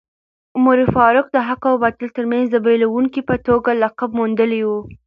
عمر فاروق د حق او باطل ترمنځ د بېلوونکي په توګه لقب موندلی و.